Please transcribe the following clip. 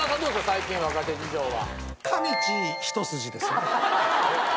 最近若手事情は。